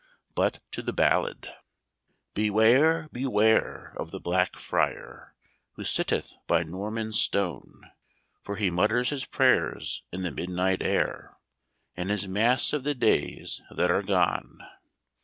But to the ballad "Beware! beware! of the Black Friar, Who sitteth by Norman stone, For he mutters his prayers in the midnight air, And his mass of the days that are gone.